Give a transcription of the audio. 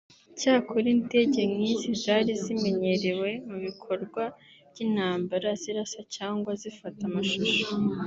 Cyakora indege nk’izi zari zimenyerewe mu bikorwa by’intambara zirasa cyangwa zifata amashusho